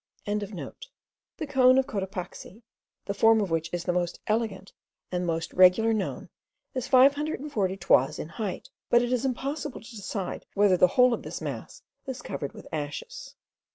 The cone of Cotopaxi, the form of which is the most elegant and most regular known, is 540 toises in height; but it is impossible to decide whether the whole of this mass is covered with ashes.